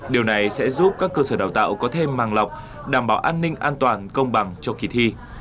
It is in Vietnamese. điều này sẽ giúp các cơ sở đào tạo có thêm màng lọc đảm bảo an ninh an toàn công bằng cho kỳ thi